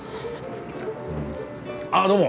あどうも。